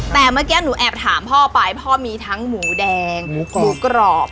แต่เมื่อกี้หนูแอบถามพ่อไปพ่อมีทั้งหมูแดงหมูกรอบหมูกรอบ